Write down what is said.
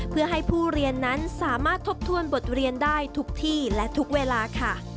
เพื่อให้ผู้เรียนนั้นสามารถทบทวนบทเรียนได้ทุกที่และทุกเวลาค่ะ